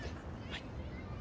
はい。